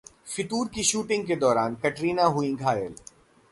'फितूर' की शूटिंग के दौरान कटरीना हुईं घायल